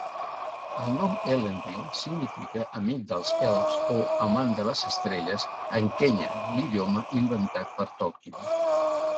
El nom Elendil significa "amic dels elfs" o "amant de les estrelles" en quenya, l'idioma inventat per Tolkien.